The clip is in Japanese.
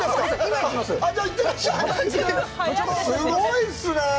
すごいっすねぇ！